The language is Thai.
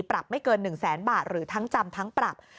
ปรับไม่เกิน๑แสนบาทหรือทั้งจำทั้งปรับ